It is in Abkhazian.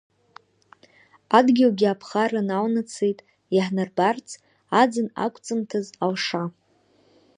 Адгьылгьы аԥхарра налнацеит, иаҳнарбарц аӡын ақәҵымҭаз алша.